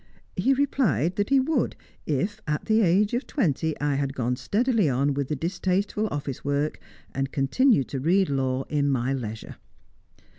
He replied that he would, if, at the age of twenty, I had gone steadily on with the distasteful office work, and had continued to read law in my leisure.